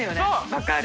分かる！